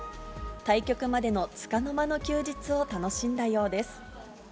対局までのつかの間の休日を楽しんだようです。